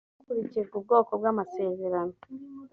hakurikijwe ubwoko bw amasezerano